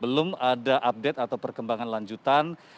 belum ada update atau perkembangan lanjutan